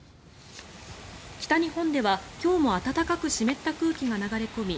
北日本では今日も暖かく湿った空気が流れ込み